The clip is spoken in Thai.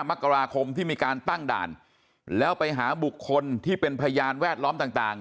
มกราคมที่มีการตั้งด่านแล้วไปหาบุคคลที่เป็นพยานแวดล้อมต่าง